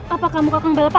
apakah kamu kakak belapati